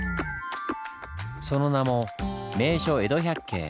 その名も「名所江戸百景」。